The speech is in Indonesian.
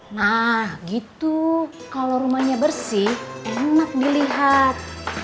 nah gitu kalau rumahnya bersih enak dilihat